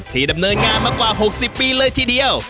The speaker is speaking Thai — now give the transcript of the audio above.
ดำเนินงานมากว่า๖๐ปีเลยทีเดียว